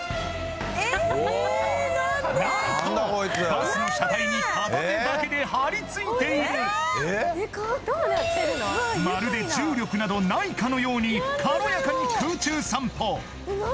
バスの車体に片手だけで貼り付いているまるで重力などないかのように軽やかに空中散歩